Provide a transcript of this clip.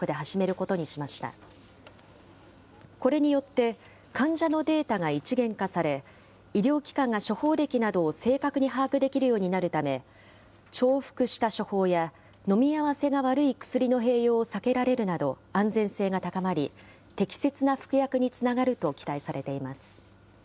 これによって患者のデータが一元化され、医療機関が処方歴などを正確に把握できるようになるため、重複した処方や、飲み合わせが悪い薬の併用を避けられるなど、安全性が高まり、適切な服薬につながると期待されています。